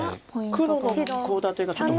黒のコウ立てがちょっと。